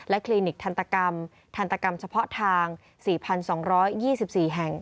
คลินิกทันตกรรมทันตกรรมเฉพาะทาง๔๒๒๔แห่ง